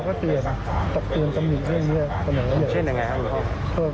เขาเป็นพุธจักรก่อน